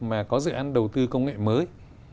mà có dự án đầu tư công nghệ mới